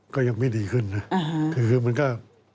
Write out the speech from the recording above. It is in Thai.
ก็ยังไม่ดีขึ้นนะ